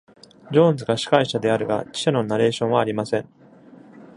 ジョーンズが司会者であるが、記者のナレーションはありません。